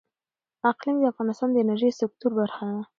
اقلیم د افغانستان د انرژۍ سکتور برخه ده.